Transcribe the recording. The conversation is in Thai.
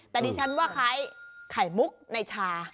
แต่ดิฉันว่าคล้ายไข่มุกในชา